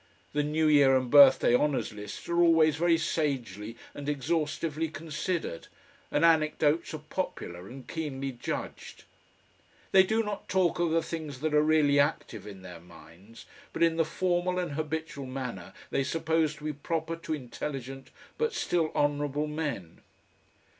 The New Year and Birthday honours lists are always very sagely and exhaustively considered, and anecdotes are popular and keenly judged. They do not talk of the things that are really active in their minds, but in the formal and habitual manner they suppose to be proper to intelligent but still honourable men.